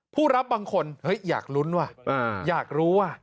ผู้รับบางคนเฮ้ยอยากลุ้นว่ะอยากรู้ว่ะ